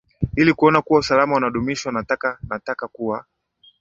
ili kuona kuwa usalama unadumuishwa nataka nataka kuwa